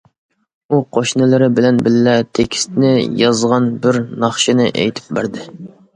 ئۇ قوشنىلىرى بىلەن بىللە تېكىستىنى يازغان بىر ناخشىنى ئېيتىپ بەردى.